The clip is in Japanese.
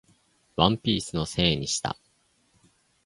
ワンピースのせいにした